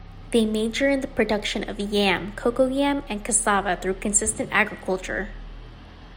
They major in the production of yam, Cocoyam and cassava through consistent agriculture.